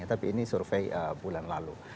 tapi ini survei bulan lalu